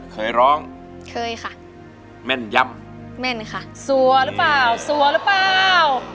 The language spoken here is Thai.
เคยร้องเคยค่ะแม่นย้ำแม่นค่ะสัวหรือเปล่าสัวหรือเปล่า